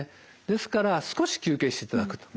ですから少し休憩していただくと。